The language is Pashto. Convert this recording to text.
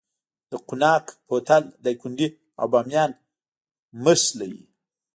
د قوناق کوتل دایکنډي او بامیان نښلوي